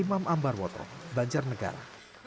imam ambar woto banjarnegara